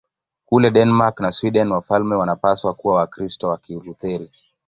Kule Denmark na Sweden wafalme wanapaswa kuwa Wakristo wa Kilutheri.